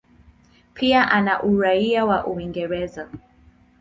Pia ana uraia wa Uingereza.